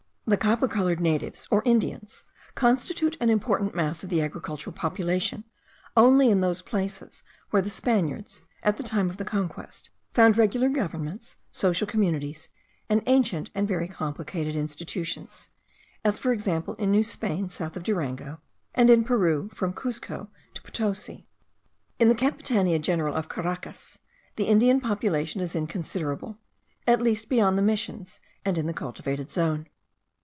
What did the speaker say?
The copper coloured natives, or Indians, constitute an important mass of the agricultural population only in those places where the Spaniards, at the time of the Conquest, found regular governments, social communities, and ancient and very complicated institutions; as, for example, in New Spain, south of Durango; and in Peru, from Cuzco to Potosi. In the Capitania General of Caracas, the Indian population is inconsiderable, at least beyond the Missions and in the cultivated zone.